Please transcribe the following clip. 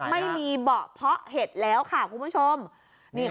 ไม่มีเบาะเพาะเห็ดแล้วค่ะคุณผู้ชมนี่ค่ะ